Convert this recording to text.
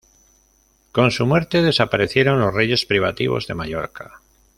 Con su muerte desaparecieron los reyes privativos de Mallorca.